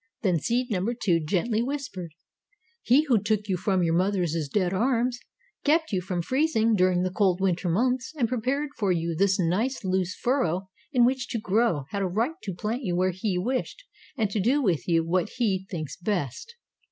Then seed number Two gently whispered: "He who took you from your mother's dead arms, kept you from freezing during the cold winter months and prepared for you this nice loose furrow in which to grow had a right to plant you where He wished and to do with you what He thinks best.